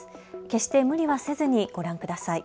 決して無理はせずにご覧ください。